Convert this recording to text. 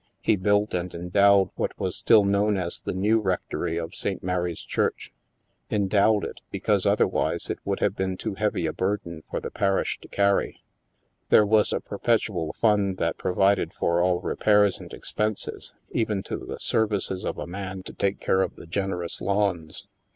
He built and endowed what was still known as the *^new" rectory of St. Mary's Church; endowed it, because otherwise it would have been too heavy a burden for the parish to carry. There was a per petual fund that provided for all repairs and ex penses, even to the services of a man to take care of the generous lawns.